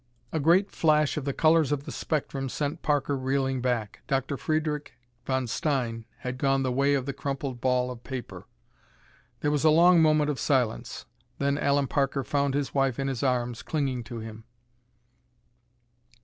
A great flash of the colors of the spectrum sent Parker reeling back. Dr. Friedrich von Stein had gone the way of the crumpled ball of paper. There was a long moment of silence. Then Allen Parker found his wife in his arms, clinging to him.